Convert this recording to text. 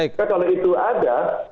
kalau itu ada